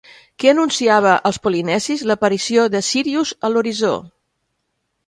Què anunciava als polinesis l'aparició de Sírius a l'horitzó?